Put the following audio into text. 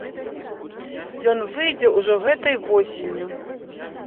Ён выйдзе ўжо гэтай восенню.